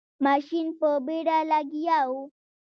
ماشین په بیړه لګیا و.